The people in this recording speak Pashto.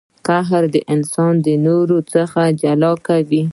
قهر انسان د نورو څخه جلا کوي.